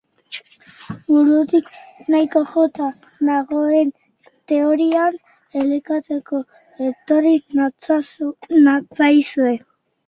Burutik nahiko jota nagoen teoria elikatzeko etorri natzaizue.